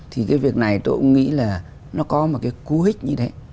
thì cái việc này tôi cũng nghĩ là nó có một cái cú hích như thế